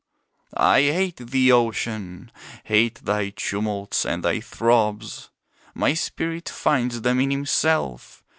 I hate thee, Ocean! hate thy tumults and thy throbs, My spirit finds them in himself.